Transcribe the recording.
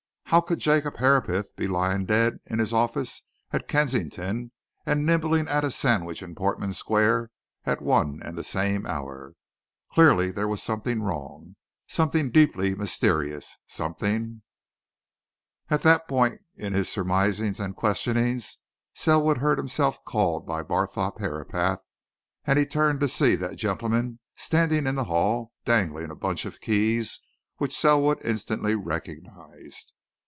How could Jacob Herapath be lying dead in his office at Kensington and nibbling at a sandwich in Portman Square at one and the same hour? Clearly there was something wrong, something deeply mysterious, something At that point of his surmisings and questionings Selwood heard himself called by Barthorpe Herapath, and he turned to see that gentleman standing in the hall dangling a bunch of keys, which Selwood instantly recognized.